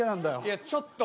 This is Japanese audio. いやちょっと。